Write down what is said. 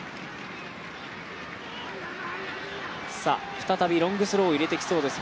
再びロングスローを入れてきそうです